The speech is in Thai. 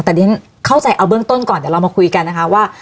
แต่ดิฉันเข้าใจเอาเบื้องต้นก่อนเดี๋ยวเรามาคุยกันนะคะว่า